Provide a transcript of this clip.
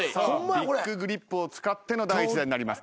ビッググリップを使っての第１打になります。